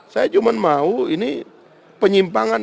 saya cuma mau ini penyimpangan